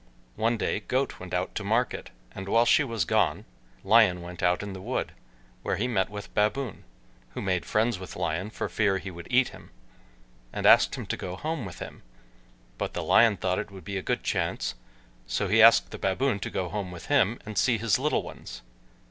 One day Goat went out to market, and while she was gone, Lion went out in the wood, where he met with Baboon, who made friends with Lion, for fear he would eat him, and asked him to go home with him; but the Lion thought it would be a good chance, so he asked the Baboon to go home with him and see his little ones.